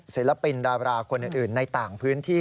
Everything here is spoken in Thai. ศิลปินดาราคนอื่นในต่างพื้นที่